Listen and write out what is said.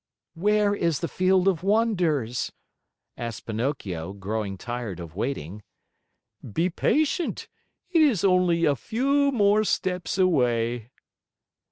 "Where is the Field of Wonders?" asked Pinocchio, growing tired of waiting. "Be patient. It is only a few more steps away."